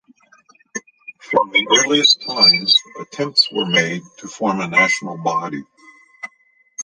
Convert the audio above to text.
From the earliest times attempts were made to form a national body.